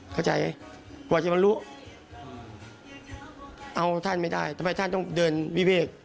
เข้าใจกว่าจะมารู้เอาท่านไม่ได้ทำไมท่านต้องเดินวิเวก